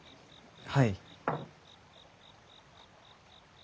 はい。